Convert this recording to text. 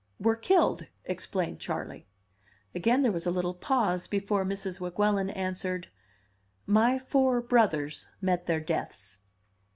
"Were killed?" explained Charley. Again there was a little pause before Mrs. Weguelin answered, "My four brothers met their deaths."